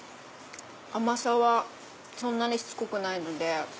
甘さはそんなにしつこくないので。